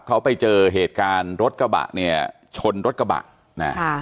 เขาไปเจอเหตุการณ์รถกระบะเนี่ยชนรถกระบะนะฮะค่ะ